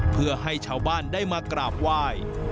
เพื่อให้ชาวบ้านได้มากราบไหว้